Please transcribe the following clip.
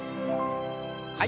はい。